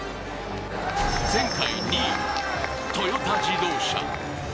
前回２位、トヨタ自動車。